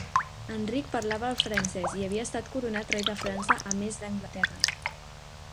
Enric parlava el francès i havia estat coronat rei de França a més d'Anglaterra.